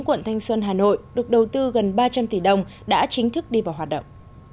quận thanh xuân hà nội được đầu tư gần ba trăm linh tỷ đồng đã chính thức đi vào hoạt động